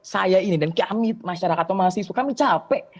saya ini dan kami masyarakat atau mahasiswa kami capek